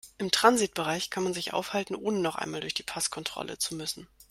Im Transitbereich kann man sich aufhalten, ohne noch einmal durch die Passkontrolle zu müssen.